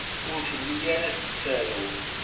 Ur telli ara tettaru.